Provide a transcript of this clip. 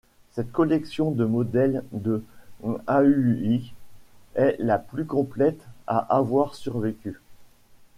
Cette collection de modèles de Haüy est la plus complète à avoir survécu.